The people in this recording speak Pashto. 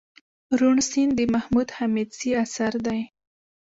روڼ سيند دمحمود حميدزي اثر دئ